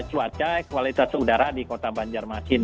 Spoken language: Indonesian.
cuaca kualitas udara di kota banjarmasin